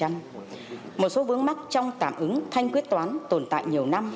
một số vướng mắt trong tạm ứng thanh quyết toán tồn tại nhiều năm